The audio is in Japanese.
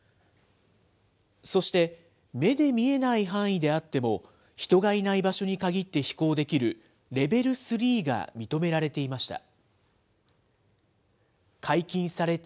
そして目で見えない範囲であっても、人がいない場所に限って飛行できるレベル３が認められていました。